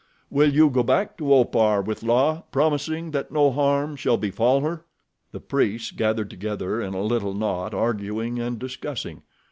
Will you go back to Opar with La, promising that no harm shall befall her?" The priests gathered together in a little knot arguing and discussing.